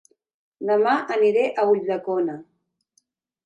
Dema aniré a Ulldecona